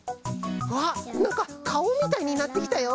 あっなんかかおみたいになってきたよ！